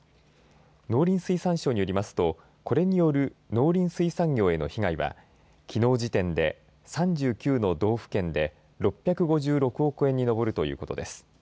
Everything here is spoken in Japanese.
農林水産省によりますと、これによる農林水産業への被害はきのう時点で３９の道府県で６５６億円に上るということです。